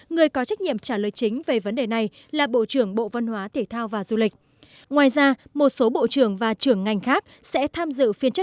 người có trách nhiệm trả lời chính về vấn đề này là bộ trưởng bộ văn hóa thể thao và du lịch